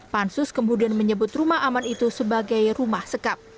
pansus kemudian menyebut rumah aman itu sebagai rumah sekap